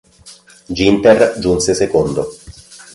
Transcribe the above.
Ginther giunse secondo.